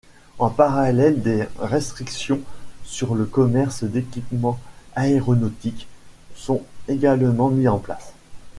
En parallèle, des restrictions sur le commerce d'équipements aéronautiques sont également mises en place.